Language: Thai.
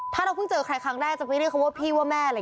ถ้าเราเพิ่งเจอใครครั้งแรกจะไปเรียกเขาว่าพี่ว่าแม่อะไร